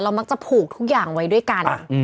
มักจะผูกทุกอย่างไว้ด้วยกัน